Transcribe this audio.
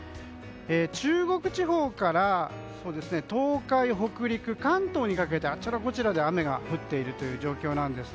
中国地方から東海・北陸関東にかけてあちらこちらで雨が降っている状況なんです。